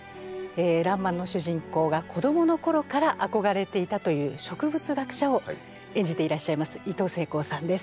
「らんまん」の主人公が子供の頃から憧れていたという植物学者を演じていらっしゃいますいとうせいこうさんです。